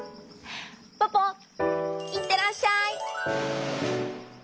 ポポいってらっしゃい！